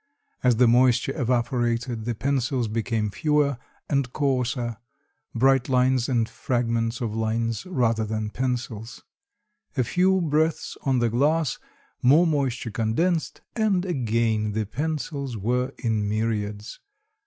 As the moisture evaporated the pencils became fewer and coarser, bright lines and fragments of lines, rather than pencils. A few breaths on the glass, more moisture condensed and again the pencils were in myriads.